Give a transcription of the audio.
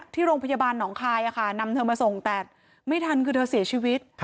ที่โรงพยาบาลหนองคายนำเธอมาส่งแต่ไม่ทันคือเธอเสียชีวิต